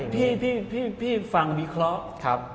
พี่ฟังวิเคราะห์